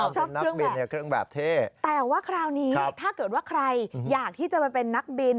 อ๋อชอบเครื่องแบบแต่ว่าคราวนี้ถ้าเกิดว่าใครอยากที่จะไปเป็นนักบิน